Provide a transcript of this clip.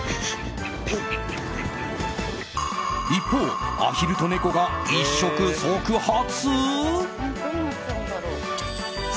一方、アヒルと猫が一触即発？